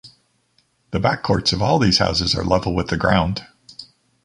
The back courts of all these houses are level with the ground.